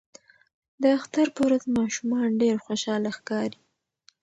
د اختر په ورځ ماشومان ډیر خوشاله ښکاري.